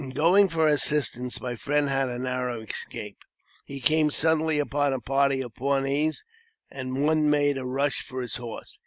In going for assistance, my friend had a narrow escape. He came suddenly upon a party of Pawnees, and one made a rush for his horse.